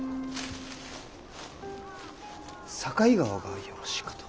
境川がよろしいかと。